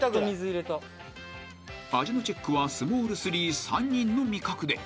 ［味のチェックはスモール３３人の味覚で］